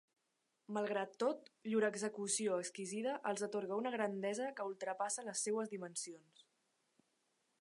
Malgrat tot, llur execució exquisida els atorga una grandesa que ultrapassa les seues dimensions.